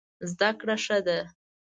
زده کړه ښه ده.